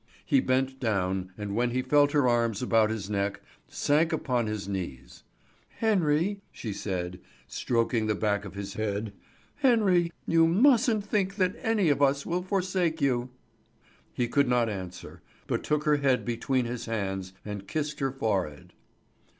He bent down, and when he felt her arms about his neck, sank upon his knees. "Henry!" she said, stroking the back of his head; "Henry! You mustn't think that any of us will forsake you!" He could not answer, but took her head between his hands and kissed her forehead.